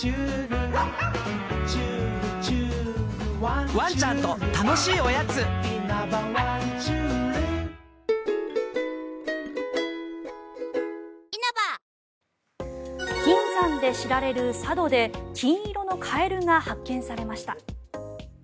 ただ、もし雇う側金山で知られる佐渡で金色のカエルが発見されました。